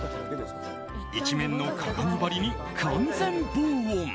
一面の鏡張りに完全防音。